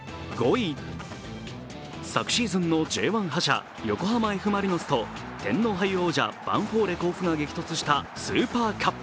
昨シーズンのＪ１覇者、横浜Ｆ・マリノスと天皇杯王者ヴァンフォーレ甲府が激突したスーパーカップ。